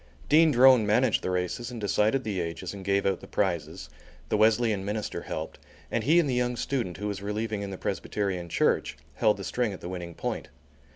Dean Drone managed the races and decided the ages and gave out the prizes; the Wesleyan minister helped, and he and the young student, who was relieving in the Presbyterian Church, held the string at the winning point.